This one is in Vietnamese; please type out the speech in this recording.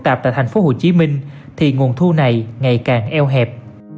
tạp tại tp hcm thì nguồn thu này ngày càng eo hẹp